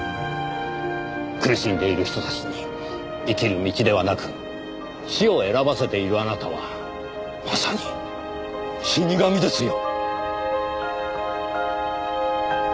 苦しんでいる人たちに生きる道ではなく死を選ばせているあなたはまさに死神ですよ。